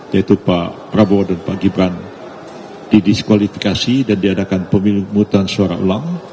yaitu pak prabowo dan pak gibran didiskualifikasi dan diadakan pemilih pemutusan suara ulang